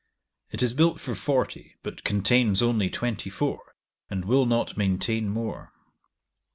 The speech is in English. It is built for forty, but contains only twenty four, and will not maintain more.